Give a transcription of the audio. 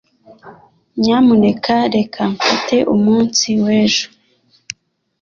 Nyamuneka reka mfate umunsi w'ejo.